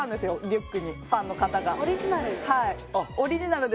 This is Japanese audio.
リュックにファンの方がオリジナル？